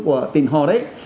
của tình họ đấy